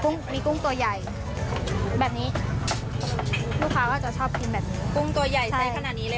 กุ้งตัวใหญ่ใส่ขนาดนี้เลยค่ะคุณผู้ชม